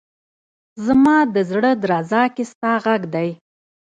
زما ده زړه درزا کي ستا غږ دی